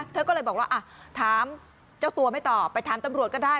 เธอก็เลยบอกว่าถามเจ้าตัวไม่ตอบไปถามตำรวจก็ได้